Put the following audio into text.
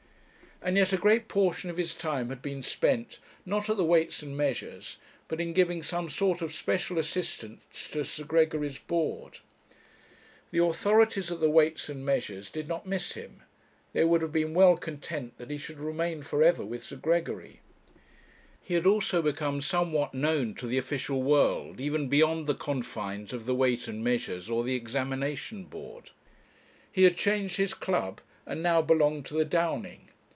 And yet a great portion of his time had been spent, not at the Weights and Measures, but in giving some sort of special assistance to Sir Gregory's Board. The authorities at the Weights and Measures did not miss him; they would have been well content that he should have remained for ever with Sir Gregory. He had also become somewhat known to the official world, even beyond the confines of the Weights and Measures, or the Examination Board. He had changed his club, and now belonged to the Downing.